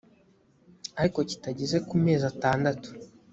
ariko kitageze ku mezi atandatu